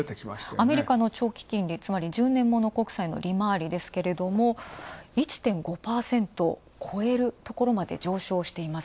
アメリカの長期金利、１０年物国債の利回り１．５％超えるところまで上昇しています。